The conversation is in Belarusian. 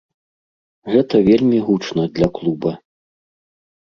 Гэта вельмі гучна для клуба.